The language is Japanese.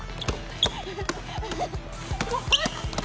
怖い！